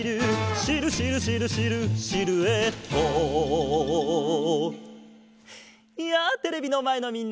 「シルシルシルシルシルエット」やあテレビのまえのみんな！